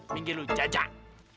minggi lo jajak